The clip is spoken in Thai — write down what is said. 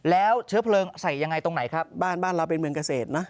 แล้วเชื้อเพลิงใส่ยังไงตรงไหนครับบ้านบ้านเราเป็นเมืองเกษตรนะ